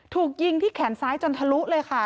ถูกยิงที่แขนซ้ายจนทะลุเลยค่ะ